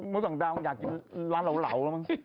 โมส่งดาวน์อยากกินร้านเหลา